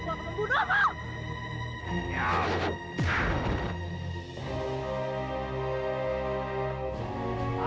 aku akan membunuhmu